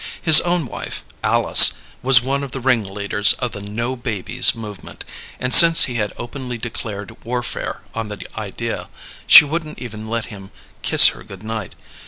His own wife, Alice, was one of the ringleaders of the "no babies" movement, and since he had openly declared warfare on the idea, she wouldn't even let him kiss her good night.